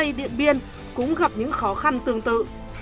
đội truyền tải điện mường la cũng gặp những khó khăn tương tự